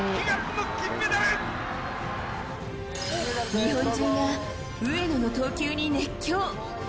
日本中が上野の投球に熱狂。